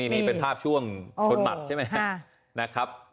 นี่เป็นภาพช่วงชนหมัดใช่ไหมนะครับ